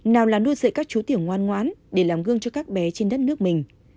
nào là nuôi dạy các chú tiểu ngoan ngoãn để làm gương cho các bé trên đất nước mình